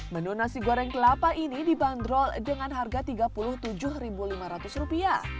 menu nasi goreng kelapa ini dibanderol dengan harga rp tiga puluh tujuh lima ratus